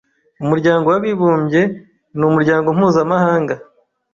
Umuryango w’abibumbye ni umuryango mpuzamahanga.